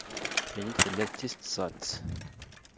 Yenna-d tella d tis tẓat.